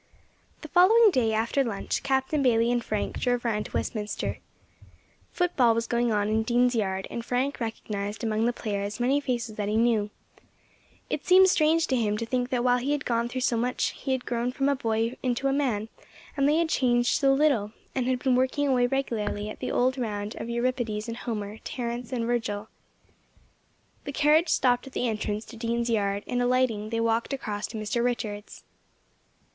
THE following day, after lunch, Captain Bayley and Frank drove round to Westminster. Football was going on in Dean's Yard, and Frank recognised among the players many faces that he knew. It seemed strange to him to think that while he had gone through so much, and had grown from a boy into a man, that they had changed so little, and had been working away regularly at the old round of Euripides and Homer, Terence and Virgil. The carriage stopped at the entrance to Dean's Yard, and, alighting, they walked across to Mr. Richards'.